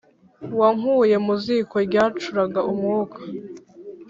Wankuye mu ziko ryancuraga umwuka,